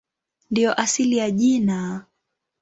Ndiyo asili ya jina.